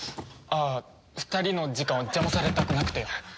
ああ２人の時間を邪魔されたくなくて。